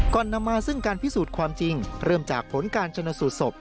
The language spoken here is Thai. นำมาซึ่งการพิสูจน์ความจริงเริ่มจากผลการชนสูตรศพ